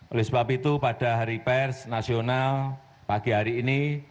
oleh sebab itu pada hari pers nasional pagi hari ini